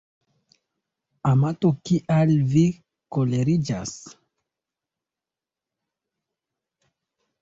Amato, kial vi koleriĝas?